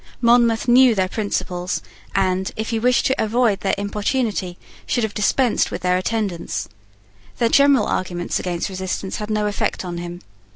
Monmouth knew their principles, and, if he wished to avoid their importunity, should have dispensed with their attendance. Their general arguments against resistance had no effect on him.